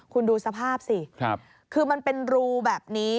คุณดูสภาพสิคือมันเป็นรูแบบนี้